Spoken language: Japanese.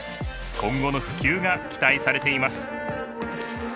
今後の普及が期待されています。